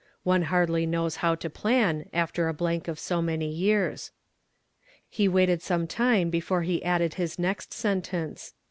One hardly knows how to plan, after a blank of so many years." He waited some time before he added his next sentence.